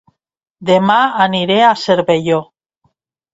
Dema aniré a Cervelló